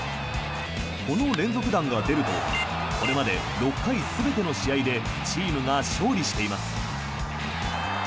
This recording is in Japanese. この連続弾が出るとこれまで６回全ての試合でチームが勝利しています。